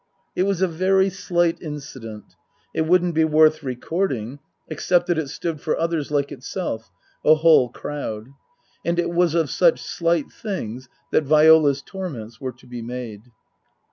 It was a very slight incident. It wouldn't be worth recording except that it stood for others like itself, a whole crowd. And it was of such slight things that Viola's torments were to be made.